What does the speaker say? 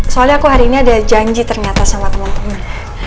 soalnya aku hari ini ada janji ternyata sama teman teman